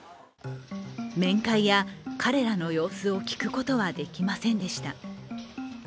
面会や彼らの様子を聞くことはできませんでした。